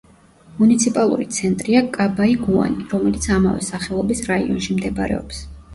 მუნიციპალური ცენტრია კაბაიგუანი, რომელიც ამავე სახელობის რაიონში მდებარეობს.